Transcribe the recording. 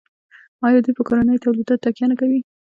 آیا دوی په کورنیو تولیداتو تکیه نه کوي؟